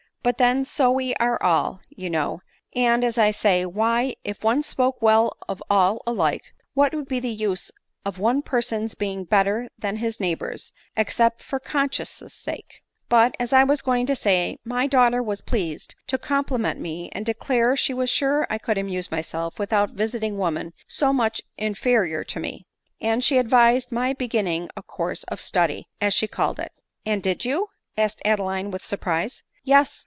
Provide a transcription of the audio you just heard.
But then so we are all, you know ; and, as I say, why, if one spoke well of all alike, what would be the use of one person's be ing better than his neighbors, except for conscience' sake ? But, as I was going to say, my daughter was pleased to compliment me, and declare she was sure I could amuse myself without visiting women so much in ferior to me ; and she advised my beginning a course of study, as she called it." " And did you?" asked Adeline with surprise. " Yes.